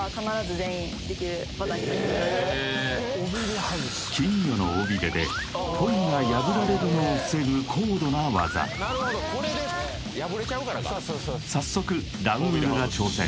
へえ金魚の尾びれでポイが破られるのを防ぐ高度な技早速ラウールが挑戦